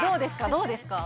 どうですか？